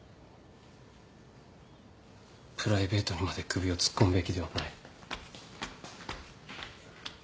プライベートにまで首を突っ込むべきではない。